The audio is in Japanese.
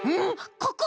ここ！